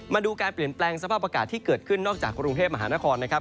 มาดูการเปลี่ยนแปลงสภาพอากาศที่เกิดขึ้นนอกจากกรุงเทพมหานครนะครับ